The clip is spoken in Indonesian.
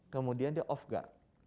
kemudian dia off guard